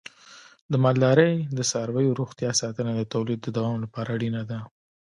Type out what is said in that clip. د مالدارۍ د څارویو روغتیا ساتنه د تولید د دوام لپاره اړینه ده.